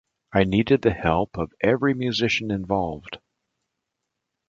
I needed the help of every musician involved.